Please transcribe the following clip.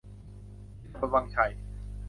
ที่ตำบลวังชัย